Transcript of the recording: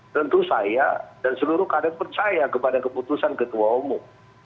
tentu saya dan seluruh kader percaya kepada keputusan ketua umum